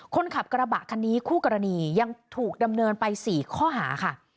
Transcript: คนขับกระบะคันนี้คู่กรณียังถูกดำเนินไป๔ข้อหาค่ะ